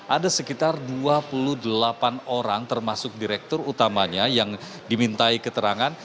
ada sekitar dua puluh delapan orang termasuk direktur utamanya yang dimintai keterangan